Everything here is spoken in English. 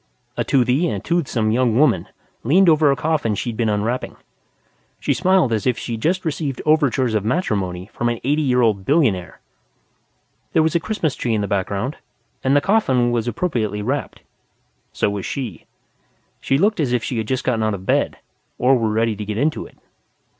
A toothy and toothsome young woman leaned over a coffin she'd been unwrapping. She smiled as if she'd just received overtures of matrimony from an eighty year old billionaire. There was a Christmas tree in the background, and the coffin was appropriately wrapped. So was she. She looked as if she had just gotten out of bed, or were ready to get into it.